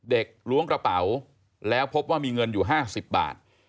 ล้วงกระเป๋าแล้วพบว่ามีเงินอยู่๕๐บาท